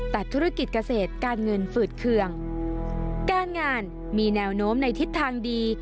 แต่ธุรกิจเกษตรการเงินฝืดเคืองการงานมีแนวโน้มในทิศทางดี